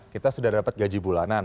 kita sudah dapat gaji bulanan